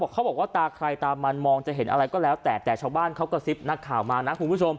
เขาบอกว่าตาใครตามันมองจะเห็นอะไรก็แล้วแต่แต่ชาวบ้านเขากระซิบนักข่าวมานะคุณผู้ชม